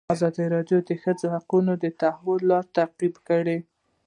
ازادي راډیو د د ښځو حقونه د تحول لړۍ تعقیب کړې.